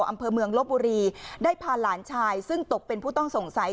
อำเภอเมืองลบบุรีได้พาหลานชายซึ่งตกเป็นผู้ต้องสงสัย